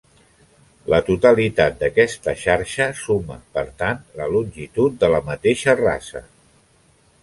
La totalitat d'aquesta xarxa suma, per tant la longitud de la mateixa rasa.